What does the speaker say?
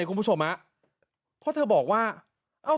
คุณผู้ชมแล้วเพราะว่า